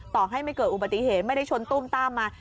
ต่อให้ไม่เกิดอุบัติเหตุไม่ได้ชนตุ้มตามมา